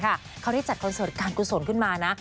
เขาได้จัดคอนเสิร์ตการกุศลขึ้นมานะ